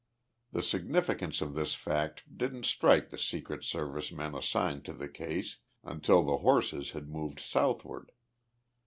The significance of this fact didn't strike the Secret Service men assigned to the case until the horses had moved southward.